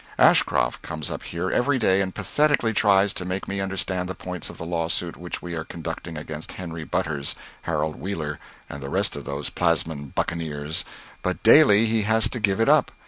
Ashcroft comes up here every day and pathetically tries to make me understand the points of the lawsuit which we are conducting against Henry Butters, Harold Wheeler, and the rest of those Plasmon buccaneers, but daily he has to give it up.